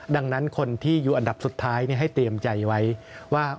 ดังนั้นคนที่อยู่อันดับสุดท้ายให้เตรียมใจไว้ว่า